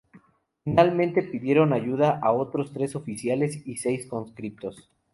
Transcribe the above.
Finalmente pidieron ayuda a otros tres oficiales y seis conscriptos.